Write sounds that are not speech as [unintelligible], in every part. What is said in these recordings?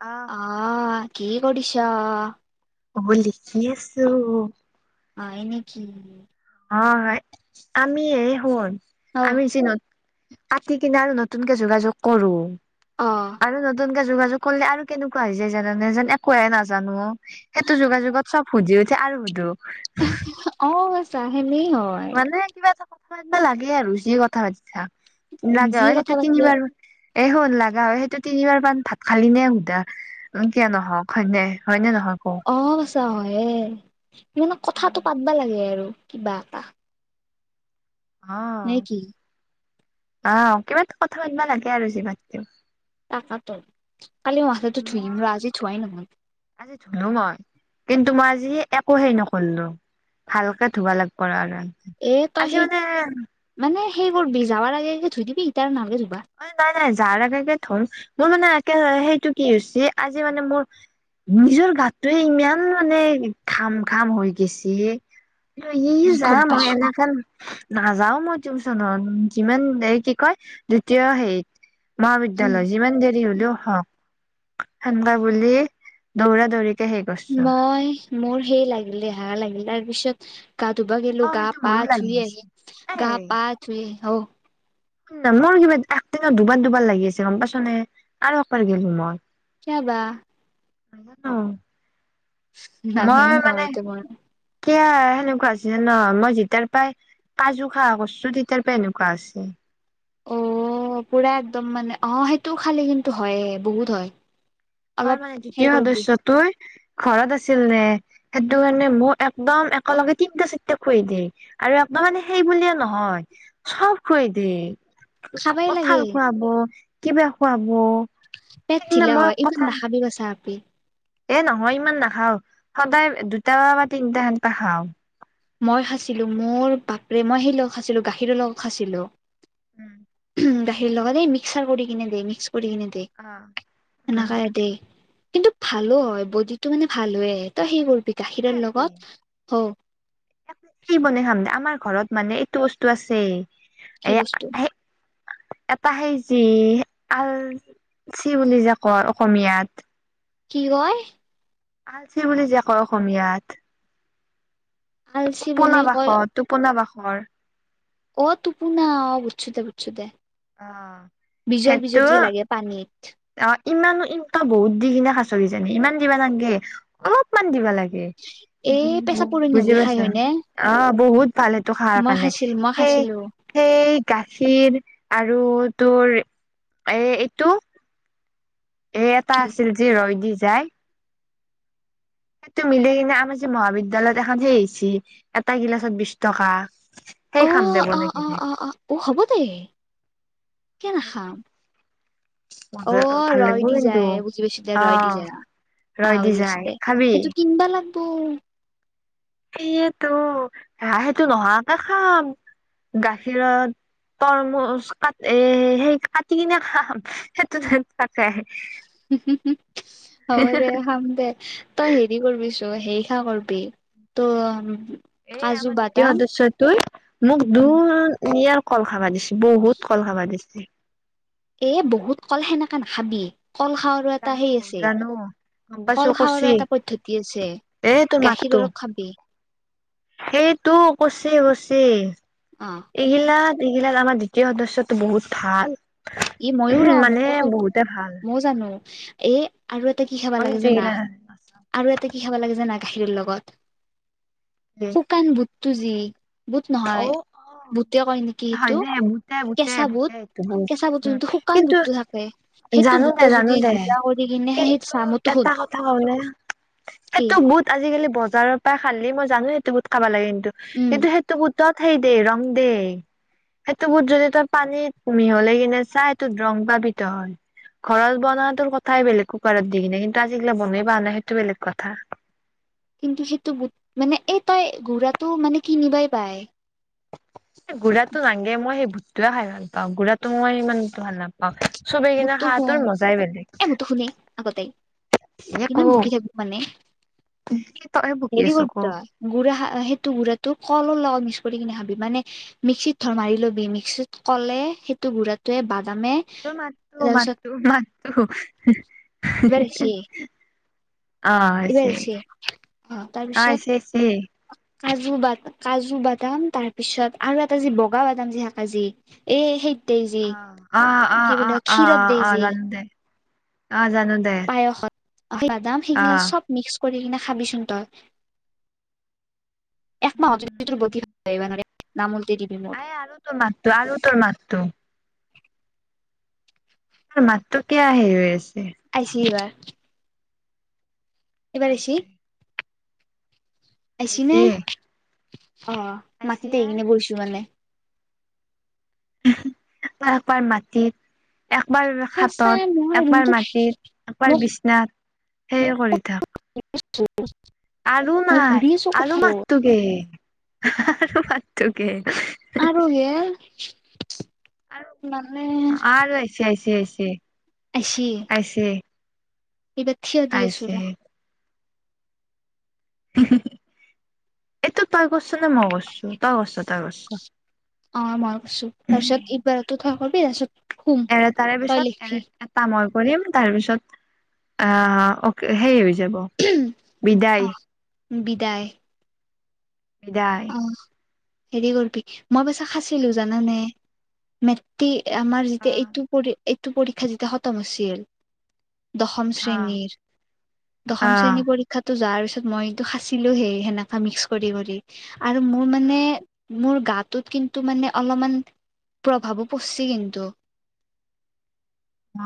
আহ আহ কি কৰিছ। অ লিখি আছো। অ এনেকি হয় হয় আমি এই হে শুন অ আমি চি নোত। কাটি কিনে আৰু নতুনকে যোগাযোগ কৰো অ আৰু নতুন। যোগাযোগ কৰিলে আৰু কেনেকুৱা হৈ যায় জানে যেন একোৱে নাজানো সেইটো যোগাযোগত চব সুজি উঠে আৰু সুধো। অ আচ্ছা হেনেই হয়। বিষয় এটা লাগে আৰু যি কথা পাতি থাক লাগে যি হয় কথা সেইটো পাতিলে তিনিবাৰ এই স লগা হয় সেইটো তিনিবাৰ পান ভাত খালি নে সুধা কিয় নহওক হয়নে। হয়নে নহয় কৌ। ত হয়ে কথাটো উম পাতবা লাগে আৰু কিবা এটা। আহ নে কি আহ কিবা কথা পাতিবা লাগে আৰু যিমান হ'লেও। তাকাতো কালি মই মাথাটো ধুই দিম মই ৰ আজি ধোৱাই নহল আজি ধুলো মই কিন্তু মই আজি এ একো হেই নকৰলো ভালকে ধুবা লাগব আৰু এ তই আজি সেই মানে মানে সেই কৰবি যাবাৰ আগেগে ধুই দিবি ইতা নালাগে ধুইব [unintelligible] মানে নাই নাই যাৰ একে একে ধুম মোৰ মানে একে সেইটো কি হৈছে আজি মানে মোৰ নিজৰ গাতটোৱে ইমান মানে ঘাম ঘাম হৈ গৈছে ই গম যাম মই পাইছো এনেখন নাযাও মই টিউচনত যিমান এই কি কয়, দ্বিতীয় হেৰিত উম মহাবিদ্যালয়ত যিমান দেৰি হলেও হক সেনকা বুলিলে দৌৰা দৌৰি সেই কৰ্চো মই মোৰ সেই লাগিল দেহা লাগিল তাৰ পিছত গা ধোৱা অ গেলো গা সেইটো পা মোৰো লাগি ধুই আছে আহি গা এ প ধুই হ মোৰ কিবা একদিনত দুবাৰ দুবাৰ লাগি আছে গম পাইছনে আৰু একবাৰ গেলো মই চাবা আহা নাও [unintelligible] নাজানো নহয় সেইটো মই কিয়া সেনেকুৱা আছে ন মই যেতিয়াৰ পাই কাজু খাৱাহ কৰিছো তেতিয়াৰ পাই এনেকুৱা হৈছে অ পুৰা একদম মানে অ সেইটো খালি কিন্তু হয়ে বহুত হয় আমাৰ অলপ মানে সেই দ্বিতীয় কৰবি সদস্য তই ঘৰত আছিল নে সেইটো কাৰণে মোক একদম একেলগে তিনটা চাৰিটা খুৱাই দিয়ে আৰু ন মানে সেই বুলিয়ে নহয় চব খোৱাই দিয়ে খাবাই লাগে কঠাল খুৱাব কিবা খুৱাব পেট সেইদিনা ঢিলা মই হয় ইমান কঁঠাল নাখাবি কাচা আপি এ নহয় ইমান নাখাওঁ সদায় দুটা বা তিনিটা সেনকা খাওঁ মই খাইছিলো মোৰ বাপেৰে মই সেই লগত খাইছিলো গাখীৰৰ লগত খাইছিলো উম উম গাখীৰ লগত এই মিক্সাৰ কৰি কিনে দে মিক্স কৰি কিনে দে অ', সেনেকা দে কিন্তু ভালো হয় বডিটো মানে ভাল তই সেই কৰিবি গাখীৰৰ এপি লগত হ কি বনাই খাম আমাৰ ঘৰত মানে এইটো বস্তু আছেই কি বস্তু এটা সেই সেই হৈছিল আলচি বুলি যে কয় অসমীয়াত কি কয় আলছি বুলি যে কয় অসমীয়াত আলচি বুলি টোপোনা কয় বাসৰ টোপোনা বাসৰ অ টোপুনা অ বুছুদে পুছুদে [unintelligible] অ বিজল বিজল সেইটো যি লাগে পানীত অ', ইমানো ইনতা বহুত দি কিনে সাঁচৰি জানে ইমান দিবা নালাগে অলপমান দিবা লাগে এই পেচাপুৰ বুজি নলিখাই পাইছা হয়নে অহ বহুত পালেতো খায় মই সেইকাৰণে খাইছিলো মই সেই খাইছিলো সেই গাখীৰ আৰু তোৰ এ এইটো এ এটা কি আছিল যি ৰৈ দি যায় সেইটো মিলি কিনে আমাৰ যে মহাবিদ্যালয়ত এখন সেই আহিছি এটা গিলাচত বিশ টকা অ সেই খাম দে অ বনাই অ কিনে কে নাখাওঁ মজা অহ ভাল লাগিব ৰয় দি কিন্তু যায় বুজি পেছি অ ৰয় দি যায় ৰৈ অহ দি বুজি যায় পাইছো দে খাবি সেইটো কিনবা লাগিব এইতো হ সেইটো নোহোৱা কে খাম গাখীৰত তৰমোজ কাট এ সেই কাটি কিনে খাম সেইটো তাতে আহে হুম হুম হব দে খাম দে তই হেৰি কৰবি তো সেই খা কৰবি তো' এ আমাৰ দ্বিতীয় সদস্যটোৰ মোক দুৰ নিয়াৰ কল খাবা দিছে বহুত কল খাবা দিছে। এ বহুত ক'ল সেনেকাে নাখাবি। ক'ল খাওঁৰু এটা জানো সেই আছে জানো গম পাইছো কল খাৱাৰ কচি এটা পদ্ধতি আছে গাখীৰ অলপ খাবি। এইটো কছে কছে ই অ এইগিলাক এইগিলাক আমাৰ দ্বিতীয় সদস্যটো বহুত ভাল। ই মইয়ো ৰ মানে মোকো খ বহুতে ভাল মই জানো এ আৰু এটা কি খাবা মই লাগে কিন্তু জানা? এইগিলা আৰু এটা- কি খাব লাগে জানা গাখীৰৰ লগত শুকান বুটটো যি বুট অ নহয় অ বুতে কয় নেকি হয় সেইটো দে বুতে বুতে কেঁচা বুট বুতে এইটো বুত কেঁচা বুটটো উম এইটো শুকান কিন্তু বুটটো থাকে সেইটো জানো দে বুটটো জানো যদি দে গোটাকৰি কিনে সেই চামোতো সৰু হয় নে সেইটো বুট আজিকালি- বজাৰৰ পৰাই খালি মই জানো সেইটো বুট খাবা লাগে কিন্তু উম কিন্তু সেই সেইতো বুট হেৰি দে ৰং দে সেইটো বুট যদি তই পানীত মিহলাই কিনে চাই এইতো ৰং পাবিত হয়। ঘৰত বনাটোৰ কথাই বেলেগ কুকাৰত দি কিনে কিন্তু আজিকালি বনাই পোৱা নাই সেইটো বেলেগ কথা। কিন্তু সেইটো বুট মানে এই তই গুৰাটো মানে কিনিবাই পাই। এ গুড়াতটো নাগে মই সেই বুটটোৱে খাই ভাল পাওঁ গুড়াতটো মই ইমান ভাল নাপাওঁ। চবেই কিনে মোৰতো খাওঁতো শুন মজাই বেলেগ। এ মোৰতো শুনে আগতে এ কিমান কওঁ বকি থাকো মানে হেৰি কৰবি ত'ই গুড়া সেইটো গুড়টো ক'লৰ লগত কৰি কিনেখাবি মানে মিক্সিত ধ মাৰি ল'বি মিক্সিত কলে সেইটো গুড়াটোৱে ব তোৰ মাত'তো মাত'তো মাত'তো হে এইবাৰে আইছে অ তাৰপিছত? হৈছে হৈছে। কাজু বাট কাজু বাদাম, তাৰ পিছত আৰু এটা যি বগা বাদাম যি কাজি এই সেই অ অ অ অ অ ক্ষীৰত অ দেই অ যি জানো দে অ জানো দে। পায়সত বাদাম অ। সেইগিলা চব মিক্স কৰি কিনে খাবিচোন তই এক মাহত তোৰ ব দ ন [unintelligible] আই আৰু তোৰ মাত'টো আৰু তোৰ মাত'টো। তোৰ মাতটো কিয় আহি ছ আছিলিবাৰ। এবাৰ আছি? আইছে আহছি নে আইছে অ আইছে মাটিতে আহি আ কিনে গৈছো মানে। তবাৰ মাটিত একবাৰ সঁচাই হাতত, মই একবাৰ ৰুমটোত মাটিত, একবাৰ বিচনাত সেয়ে কৰি থাক। নিশ্চয়। আৰু নাই আৰু কোঠাটো মাতটোকে আৰু মাতটোকে আৰু হে মানে আৰু আৰু আছেছে আহছেছে। আইছি। এইব থিয় দিয় আইছে আছু'ৰ। এইটো তই কৰিছ নে মই কৰিছো তই গছ তই কৰিছ। অ মই কৈছো তাৰপিছত এইবাৰতো থোৱা কৰিবি তাৰপিছত শুম এ তাৰে তই পিছত লিখিবি এ এতা মই কৰিম তাৰপিছত আহ অ সে যাব বিদায়। বিদায়। বিদায়। অ হেৰি কৰিবি মই পেছা খাচিলো জানানে মেটি আমাৰ অ যেতিয়া এইটো পৰী এইটো পৰিক্ষা যেতিয়া খতম হৈছিল দশম অ শ্ৰেণীৰ দশম অ শ্ৰেণীৰ পৰীক্ষাতটো যাৰ তাৰিছত মই এইটো সাচিলো হেই সেনেকা মিক্স কৰি কৰি আৰু মোৰ মানে কেইজোপা মোৰ গাত ত কিন্তু মানে অলপমান প্ৰভাৱো পৰছে কিন্তু। অ।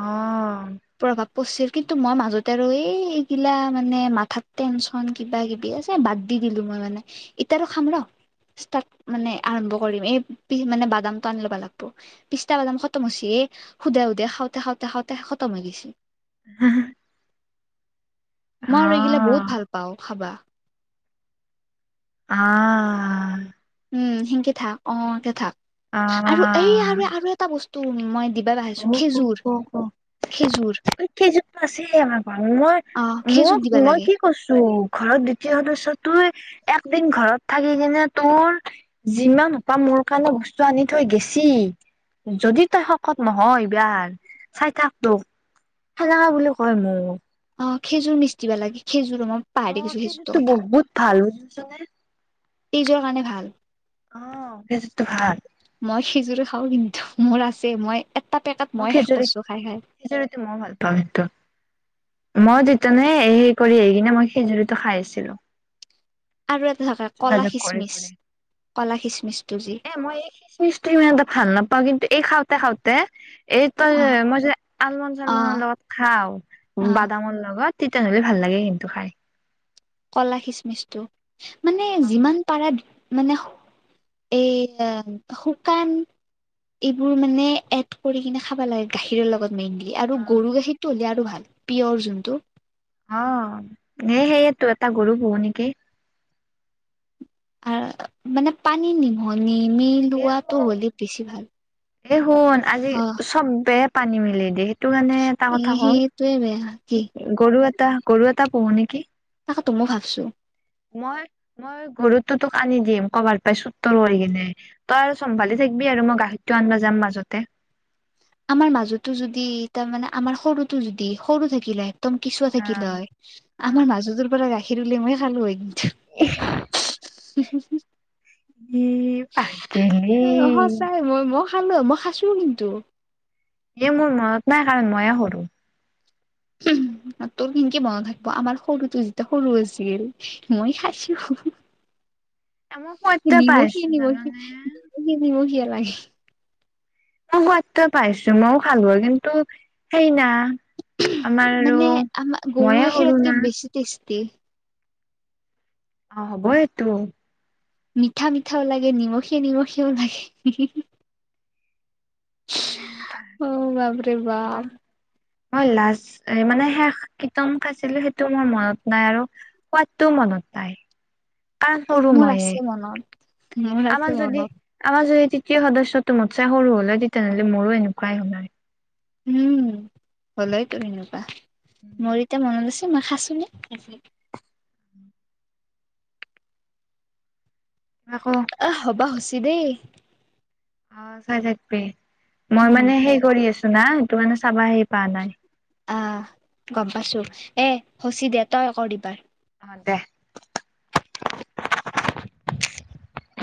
প্ৰভাপ পছিল কিন্তু মই মাজতে আৰু এইগিলা মানে মাথাত টেনচন কিবা কিবি আছে বাদ দি। দিলো মই মানে ইতাৰো খাম ৰ। ষ্টাৰ্ট মানে আৰম্ভ কৰিম, এই পি মানে বাদাম টো আনি ল'বা লাগিব পিছটা বাদাম খতমহৈছি এই। সুধে সুধে খাওঁতে খাওঁতে খাওঁতে খতম হৈগৈছিল। [unintelligible] মই আৰু এইগিলা বহুত ভাল পাও খাবা। আ আ আ। উম সিনকে থাক অ থাক আৰু এই আৰু এটা বস্তু মই খেজুৰ খ। খেজুৰ আছে আমাৰ ঘৰত মই অ খেজুৰ মোক দিবা মই লাগে কি কৈছো ঘৰত দ্বিতীয় সদস্য তোৱে একদিন ঘৰত থাকি কিনে তোৰ যিমান হোপাহ মোৰ কাৰণে বস্তু আনি থৈ গেছি যদি তই শকত নহয় ইবাৰ চাই থাক তোক হেনেকা বুলি কয় মোক। অঁ খেজুৰ মিষ্টি বা লাগে খেজুৰ মই অ পাহাৰিকছো খেজুৰটো কথা। বহুত ভাল বুজিছনে তেজৰ কাৰণে ভাল অ খেজুৰটো ভাল মই খেজুৰো খাওঁ কিন্তু। মুৰ আছে মই এটা পেকেট মই শেষ খিজুৰী কৰিছো খাই খাই খিজৰিটো মইও ভাল পাওঁ কিন্তু। মই তেতিনেই কৰি আহি কিনে মই খিজুৰটো খাই আছিলো। আৰু এটা থকা কলা যোগাযোগ কৰি খিচমিচ কৰি কলা খিচমিচটো যি এ মই এই খিচমিচটো ইমান এটা ভাল নাপাওঁ কিন্তু এই খাওঁতে খাওঁতে এইটোই অ যে মই যে আলমন চলম অ লগত খাও অ বাদামৰ লগত। তেতিয়া নহ'লে ভাল লাগে কিন্তু খাই। কলা খিচমিচটো মানে অ যিমান পাৰা মানে এই শুকান এইবোৰ মানে এড কৰি কিনে খাবা লাগে গাখীৰৰ লগত। মেইনলি আৰু অ গৰু গাখীৰতটো হ'লে আৰু ভাল পিয়ৰ যোনটো। অ স সেয়েতো এটা গৰু পোহু নেকি? আৰু মানে পানী নিমহ এ নিমিলোৱাটো হলে বেছি ভাল। এই শুন আজি অ চবে পানী মিলি দি। টো কাৰণে এটা এ কথা সেইটোৱে বেয়া কি ক'ল গৰু এটা গৰু এটা পোহো নেকি? ত মো ভাবছো। মই মই গৰু তোক আনি দিম কবাৰ পাই চুৰতোৰ কৰি কিনে তই আৰু চম্ভালি থাকি বি আৰু মই গাখিৰটো আনবা যাম মাজতে। আমাৰ মাজতো যদি তাৰমানানে আমাৰ সৰুতো যদি সৰু থাকিলে একদম কিচুৱা থাকিল আহ হয় আমাৰ আহ মাজটোৰ পৰা গাখীৰ উলিয়াই মই খালো হয়। ই পাগেলি সচাই মই ম [unintelligible] খালো হয় মই খাছো কিন্তু। ই মোৰ মনত নাই কাৰণ মইয়ে সৰু। [inaudible] তোৰ কেনকে মনত থাকব আমাৰ সৰুটো যেতিয়া সৰু আছিল মই খাইছো। এ মই সোৱাদ নিমখে পাইছো নিমখি জানানে মই নিমখ নিমখিয় লাগে। মই সোৱাদটোৱে পাইছো মইও খালো হয় কিন্তু সেই ন মানে আমাৰ গৰু মইয়ে সৰু না গাখিৰতকে বেছি টেষ্টি। অ হ'ব এইটো। মিঠা মিঠাও লাগে নিমখিয়া নিমখিয়াও লাগে উম অ তাকে বাপৰে বাপ মই লাজ মানে শেষ কিতম খাইছিলো সেইটো মোৰ মনত নাই আৰু সোৱাদটোও মনত নাই কাৰণ সৰু মোৰ মইয়ে আছে মনত মোৰ আমাৰ আছে যদি মনত আমাৰ যদি তৃতীয় সদস্য মোত চাই সৰু হল তেতিয়াহলে মোৰো এনেকুৱাই হ'ল হয় উম হলেই কৰি এনেকুৱা মোৰ এতিয়া মনত অ আছে মাখাছোনে আকৌ আহ হবা হৈছে দেই অ চাই থাকবি মই উম মানে সেই কৰি আছো না এইটো মানে চাবা হে পোৱা নাই আহ গম পাইছো এ শচি দে তই আক দিবা অ দে [unintelligible]